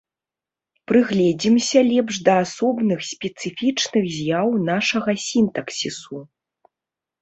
Прыгледзімся лепш да асобных спецыфічных з'яў нашага сінтаксісу.